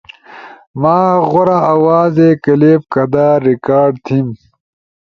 ما ایک غورا آوازے کلپ کدا ریکارڈ تھیم؟